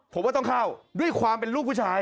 ผมว่าต้องเข้าด้วยความเป็นลูกผู้ชาย